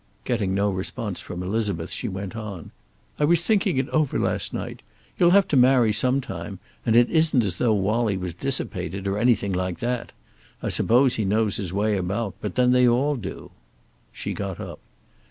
Getting no response from Elizabeth, she went on: "I was thinking it over last night. You'll have to marry sometime, and it isn't as though Wallie was dissipated, or anything like that. I suppose he knows his way about, but then they all do." She got up.